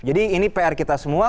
jadi ini pr kita semua